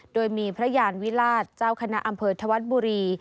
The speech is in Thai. โดยมีพระยานวิราชเจ้าคณะอำเภอธวัฒน์บุรี